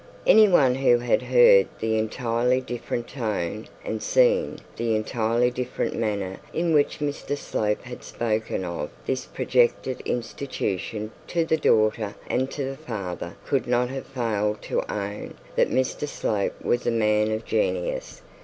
Anyone who had heard the entirely different tone, and seen the entirely different manner in which Mr Slope had spoken of this projected institution to the daughter and to the father, would not have failed to own that Mr Slope was a man of genius.